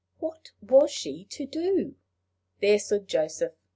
What was she to do? There stood Joseph!